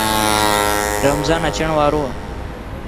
رمضان اچڻ وارو ا